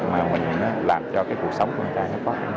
mà mình làm cho cuộc sống của người ta nó khó